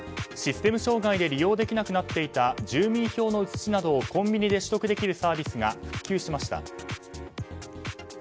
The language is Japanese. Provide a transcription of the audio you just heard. システム障害で利用できなくなっていた住民票の写しなどをコンビニで取得できるサービスが復旧しました。